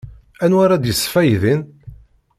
Anwa ara d-yesfaydin?